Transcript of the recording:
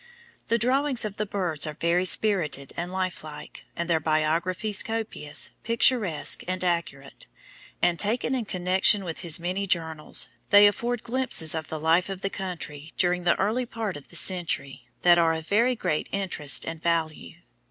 The drawings of the birds are very spirited and life like, and their biographies copious, picturesque, and accurate, and, taken in connection with his many journals, they afford glimpses of the life of the country during the early part of the century, that are of very great interest and value.